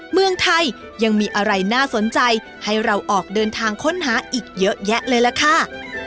เมืองไทยยังมีอะไรน่าสนใจให้เราออกเดินทางค้นหาอีกเยอะแยะเลยล่ะค่ะ